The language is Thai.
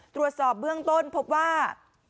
ตรวจสอบเบื้องต้นพบว่า